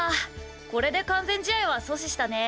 これで完全試合は阻止したね。